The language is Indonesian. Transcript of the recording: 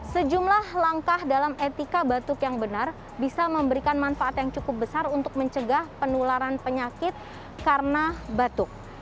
sejumlah langkah dalam etika batuk yang benar bisa memberikan manfaat yang cukup besar untuk mencegah penularan penyakit karena batuk